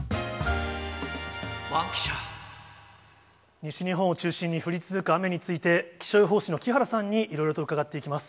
西日本を中心に降り続く雨について、気象予報士の木原さんにいろいろと伺っていきます。